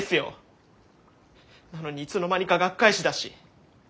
なのにいつの間にか学会誌だし。